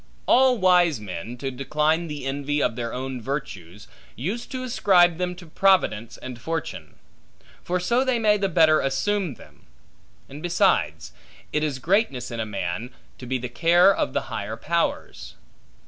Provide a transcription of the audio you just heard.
All wise men, to decline the envy of their own virtues, use to ascribe them to Providence and Fortune; for so they may the better assume them: and, besides, it is greatness in a man, to be the care of the higher powers.